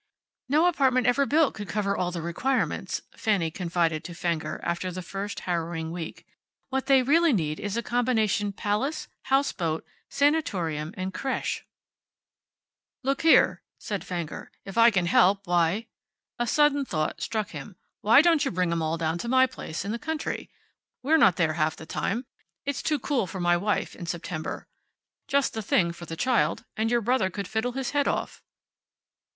"No apartment ever built could cover all the requirements," Fanny confided to Fenger, after the first harrowing week. "What they really need is a combination palace, houseboat, sanatorium, and creche." "Look here," said Fenger. "If I can help, why " a sudden thought struck him. "Why don't you bring 'em all down to my place in the country? We're not there half the time. It's too cool for my wife in September. Just the thing for the child, and your brother could fiddle his head off."